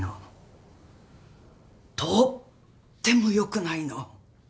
とっても良くないの。